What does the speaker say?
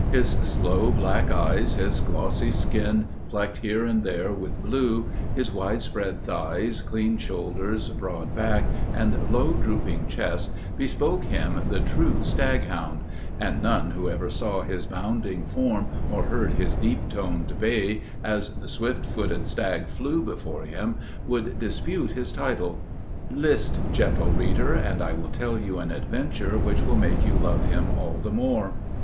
His sloe black eyes, his glossy skin, flecked here and there with blue; his wide spread thighs, clean shoulders, broad back, and low drooping chest, bespoke him the true stag hound; and none, who ever saw his bounding form, or heard his deep toned bay, as the swift footed stag flew before him, would dispute his title. List, gentle reader, and I will tell you an adventure which will make you love him all the more.